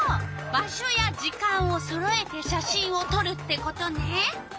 場所や時間をそろえて写真をとるってことね。